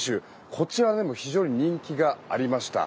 こちらでも非常に人気がありました。